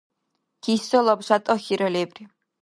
Кисалаб шятӀахьира лебри.